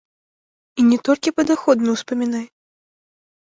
І не толькі падаходны ўспамінай.